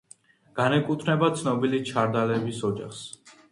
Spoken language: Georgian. განეკუთვნება ცნობილი ჩანდარლების ოჯახს.